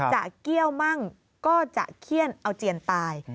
เกี้ยวมั่งก็จะเขี้ยนเอาเจียนตาย